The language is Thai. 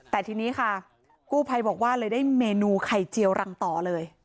แต่ทีนี้ค่ะกู้ภัยบอกว่าเลยได้เมนูไข่เจียวรังต่อเลย